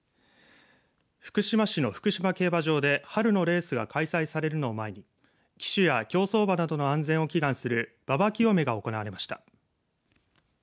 福島市の福島競馬場で春のレースが開催されるのを前に騎手や競走馬などの安全を祈願する馬場浄めが行われました。